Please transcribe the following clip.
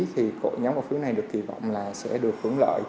thì cổ nhóm cổ phiếu này được kỳ vọng là sẽ được hướng lợi